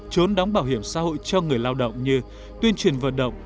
trốn đóng bảo hiểm xã hội cho người lao động như tuyên truyền vận động